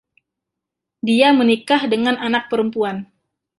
Dia menikah dengan anak perempuan.